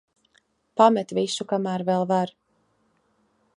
Pamet visu, kamēr vēl var.